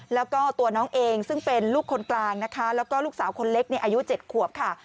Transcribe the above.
แล้วก็ตัวน้องเองซึ่งเป็นลูกคนกลางนะคะแล้วก็ลูกสาวคนเล็กอายุ๗ขวบค่ะ